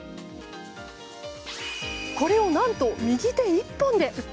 これを、何と右手１本で。